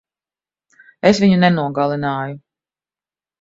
Es viņu nenogalināju.